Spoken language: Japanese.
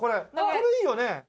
これいいよね。